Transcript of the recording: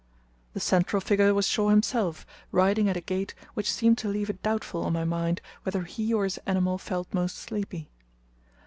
The central figure was Shaw himself, riding at a gait which seemed to leave it doubtful on my mind whether he or his animal felt most sleepy.